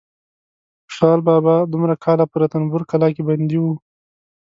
خوشحال بابا دومره کاله په رنتبور کلا کې بندي و.